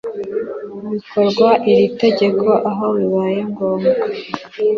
bikorwa iri tegeko aho bibaye ngombwa